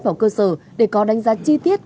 vào cơ sở để có đánh giá chi tiết